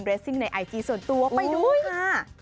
เบ้นเรสซิงในไอจีส่วนตัวไปด้วยค่ะ